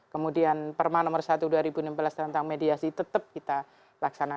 kemudian perma nomor satu dua ribu enam belas tentang mediasi tetap kita laksanakan